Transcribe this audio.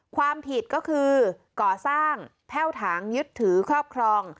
ความผิดก็คือก่อสร้างแพ่วถางยึดถือครอบครอง